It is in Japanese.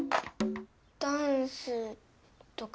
ダンスとか。